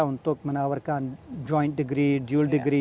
untuk menawarkan joint degree dual degree